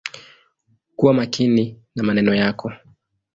Kuwa makini na maneno yako.